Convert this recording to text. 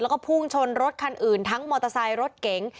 แล้วก็พุ่งชนรถคันอื่นทั้งมอเตอร์ไซค์รถเก๋ง